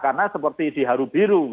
karena seperti di haru biru itu